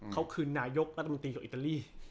เขาคือนายกรัฐมนตรีของอิตาลี